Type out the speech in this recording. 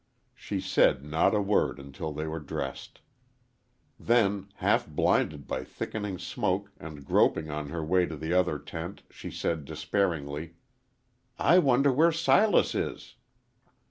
She said not a word until they were dressed. Then, half blinded by thickening smoke and groping on her way to the other tent, she said, despairingly, "I wonder where Silas is?"